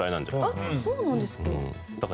そうなんですか？